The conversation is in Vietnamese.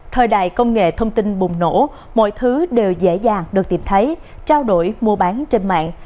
thời đại công nghệ thông tin bùng nổ mọi thứ đều dễ dàng được tìm thấy trao đổi mua bán trên mạng